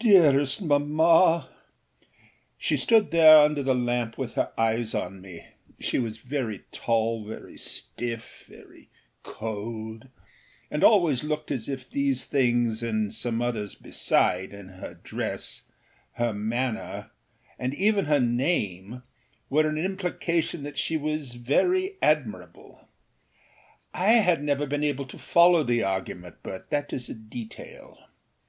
âDearest mamma!â She stood there under the lamp with her eyes on me; she was very tall, very stiff, very cold, and always looked as if these things, and some others beside, in her dress, her manner and even her name, were an implication that she was very admirable. I had never been able to follow the argument, but that is a detail.